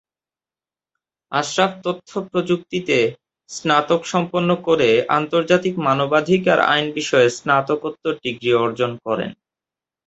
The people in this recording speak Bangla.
আশরাফ তথ্য প্রযুক্তিতে স্নাতক সম্পন্ন করে আন্তর্জাতিক মানবাধিকার আইন বিষয়ে স্নাতকোত্তর ডিগ্রি অর্জন করেন।